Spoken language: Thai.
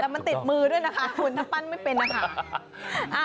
แต่มันติดมือด้วยนะคะคุณถ้าปั้นไม่เป็นนะคะ